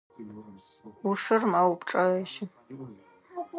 Ӏушыр мэупчӏэжьы.